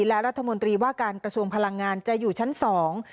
และรัฐมนตรีว่าการกระทรวงพลังงานจะอยู่ชั้นสอง